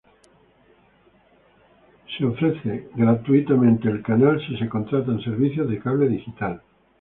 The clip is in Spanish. El canal es ofrecido gratuitamente si se contratan servicios de cable digital.